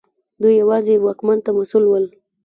دوی یوازې واکمن ته مسوول ول.